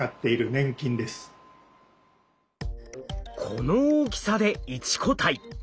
この大きさで一個体。